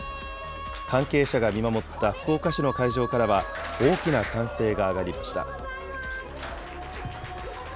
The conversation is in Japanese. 関係者が見守った福岡市の会場からは、大きな歓声が上がりました。